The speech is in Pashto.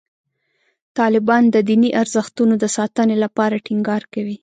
طالبان د دیني ارزښتونو د ساتنې لپاره ټینګار کوي.